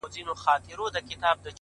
ستا زړه ته خو هر څوک ځي راځي گلي”